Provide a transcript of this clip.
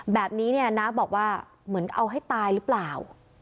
แบบนี้เนี่ยน้าบอกว่าเหมือนเอาให้ตายหรือเปล่า